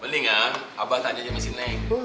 palingan abah tanya aja masi nek